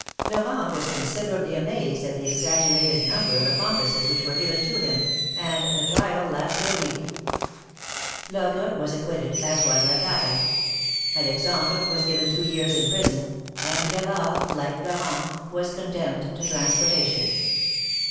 Florent was considerably amazed at the exaggerated number of accomplices which were given to hin>, and the trial lasted a week. Logre 'w'as aequitted, as was Lacaille* Alexandre was given two years in prison, and Gavard,, Ike Florent, was condemned to transportation.